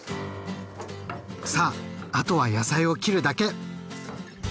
さああとは野菜を切るだけ！